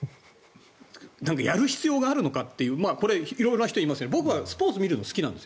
なんか、やる必要があるのかってこれは色々な人がいますけど僕はスポーツ見るのは好きなんです。